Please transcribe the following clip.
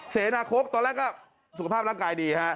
เสนาคกตอนแรกก็สุขภาพร่างกายดีฮะ